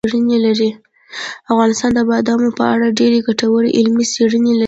افغانستان د بادامو په اړه ډېرې ګټورې علمي څېړنې لري.